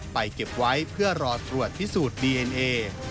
เก็บไว้เพื่อรอตรวจพิสูจน์ดีเอ็นเอ